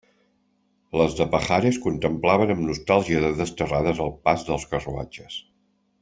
Les de Pajares contemplaven amb nostàlgia de desterrades el pas dels carruatges.